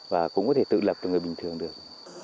và cũng có thể tự lập được người bình thường được